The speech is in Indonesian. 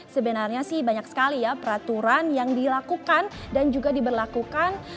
sebenarnya sih banyak sekali ya peraturan yang dilakukan dan juga diberlakukan